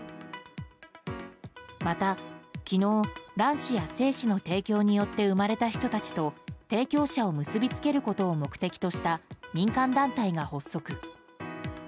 また、昨日卵子や精子の提供によって生まれた人たちと、提供者を結びつけることを目的とした民間団体が発足。